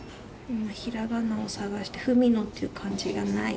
今平仮名を探して「文野」っていう漢字がない。